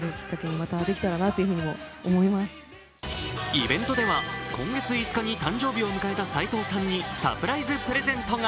イベントでは今月５日に誕生日を迎えた齊藤さんにサプライズプレゼントが。